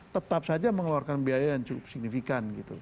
tetap saja mengeluarkan biaya yang cukup signifikan gitu